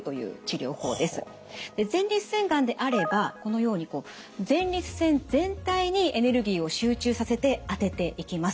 前立腺がんであればこのように前立腺全体にエネルギーを集中させて当てていきます。